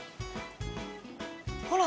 ほら。